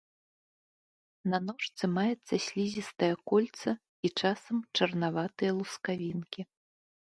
На ножцы маецца слізістае кольца і, часам, чарнаватыя лускавінкі.